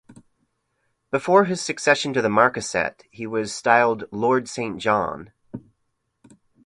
Before his succession to the Marquessate he was styled Lord Saint John.